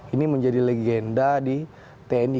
ini menjadi legenda di tni